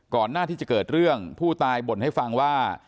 หน้าที่จะเกิดเรื่องผู้ตายบ่นให้ฟังว่า